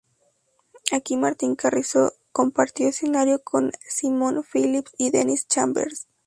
Aquí Martín Carrizo compartió escenario con Simon Phillips y Dennis Chambers.